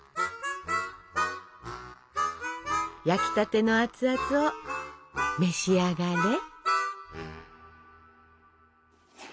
焼きたての熱々を召し上がれ！